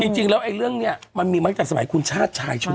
จริงแล้วเรื่องนี้มันมีมาตั้งแต่สมัยคุณชาติชายชุด